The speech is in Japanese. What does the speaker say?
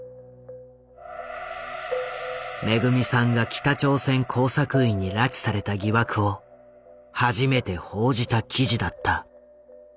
めぐみさんが北朝鮮工作員に拉致された疑惑を初めて報じた記事だった。